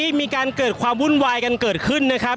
ก็น่าจะมีการเปิดทางให้รถพยาบาลเคลื่อนต่อไปนะครับ